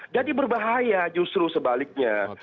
jadi berbahaya justru sebaliknya